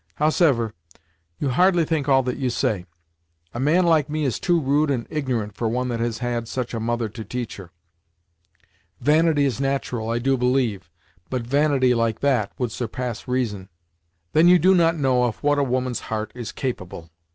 Howsever, you hardly think all that you say. A man like me is too rude and ignorant for one that has had such a mother to teach her. Vanity is nat'ral, I do believe, but vanity like that, would surpass reason." "Then you do not know of what a woman's heart is capable!